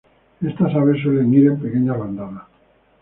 Estas aves suelen ir en pequeñas bandadas.